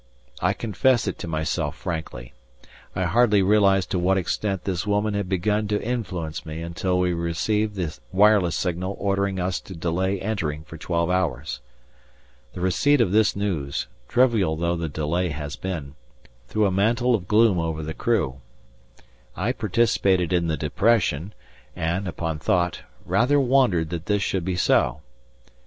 I confess it to myself frankly. I hardly realized to what extent this woman had begun to influence me until we received the wireless signal ordering us to delay entering for twelve hours. The receipt of this news, trivial though the delay has been, threw a mantle of gloom over the crew. I participated in the depression and, upon thought, rather wondered that this should be so.